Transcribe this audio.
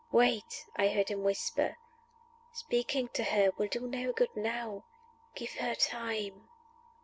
"Wait!" I heard him whisper. "Speaking to her will do no good now. Give her time."